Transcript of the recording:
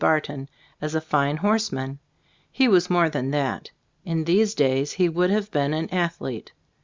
Barton, as a fine horseman. He was more than that. In these days he would have been an athlete.